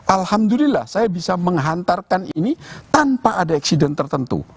alhamdulillah saya bisa menghantarkan ini tanpa ada eksiden tertentu